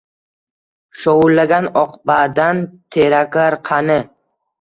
Shovullagan oqbadan teraklar qani?ng